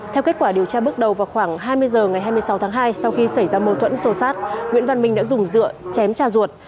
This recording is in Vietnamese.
theo kết quả điều tra bước đầu vào khoảng hai mươi h ngày hai mươi sáu tháng hai sau khi xảy ra mâu thuẫn sô sát nguyễn văn minh đã dùng dựa chém cha ruột